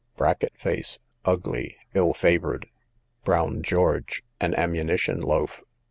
Bracket face, ugly, ill favoured. Brown George, an ammunition loaf.